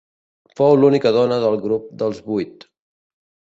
Fou l'única dona del Grup dels vuit.